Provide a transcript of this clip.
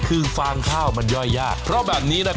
คือฟางข้าวมันย่อยยากเพราะแบบนี้